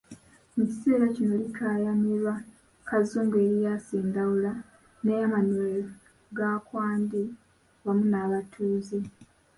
Mu kiseera kino likaayanirwa Kazungu, Erias Ndawula ne Emmanuel Gakwandi wamu n'abatuuze.